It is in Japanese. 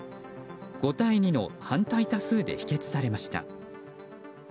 ５対２の反対多数で否決されました。